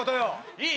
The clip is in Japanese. いい？